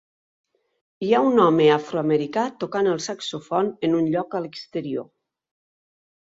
Hi ha un home afroamericà tocant el saxòfon en un lloc a l'exterior.